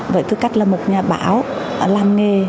với tư cách là một nhà báo làm nghề